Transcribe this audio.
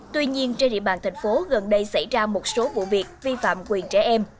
tuy nhiên trên địa bàn thành phố gần đây xảy ra một số vụ việc vi phạm quyền trẻ em